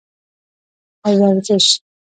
او ورزش